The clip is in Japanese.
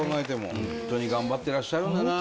ホントに頑張ってらっしゃるんだな。